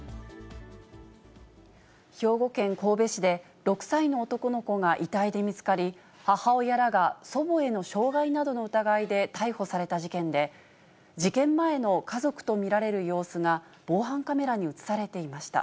兵庫県神戸市で、６歳の男の子が遺体で見つかり、母親らが祖母への傷害などの疑いで逮捕された事件で、事件前の家族と見られる様子が、防犯カメラに写されていました。